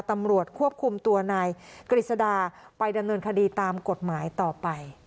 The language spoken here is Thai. ตำรวจควบคุมตัวนายกฤษดาไปดำเนินคดีตามกฎหมายต่อไป